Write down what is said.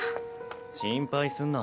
心配すんな。